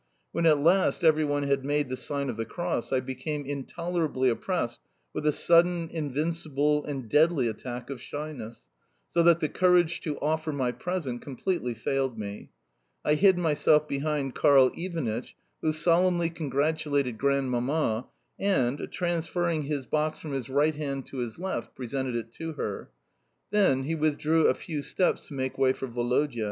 When at last every one had made the sign of the cross I became intolerably oppressed with a sudden, invincible, and deadly attack of shyness, so that the courage to, offer my present completely failed me. I hid myself behind Karl Ivanitch, who solemnly congratulated Grandmamma and, transferring his box from his right hand to his left, presented it to her. Then he withdrew a few steps to make way for Woloda.